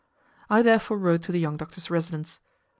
I therefore rode to the young doctor's residence.